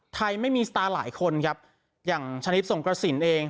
ไทยไม่มีสตาร์หลายคนครับอย่างชนิดส่งกระสินเอง